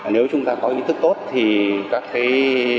nếu chúng ta có ý thức tốt thì các cái